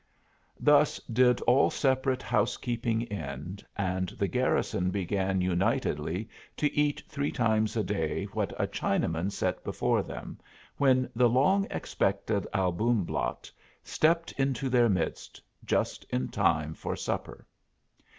Thus did all separate housekeeping end, and the garrison began unitedly to eat three times a day what a Chinaman set before them, when the long expected Albumblatt stepped into their midst, just in time for supper.